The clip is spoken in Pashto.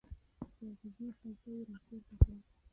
کاغذي خلطه یې راپورته کړه.